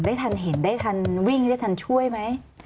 ทันเห็นได้ทันวิ่งได้ทันช่วยไหม